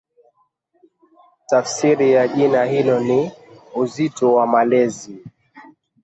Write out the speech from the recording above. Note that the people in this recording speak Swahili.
Tafsiri ya jina hilo ni "Uzito wa Malezi".